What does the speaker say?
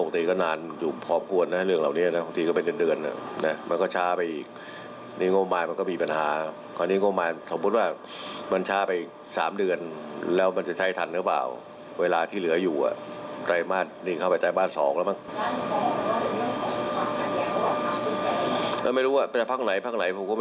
ทั้งไหนผมก็ไม่รู้กัน